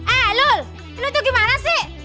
eh lul lu itu gimana sih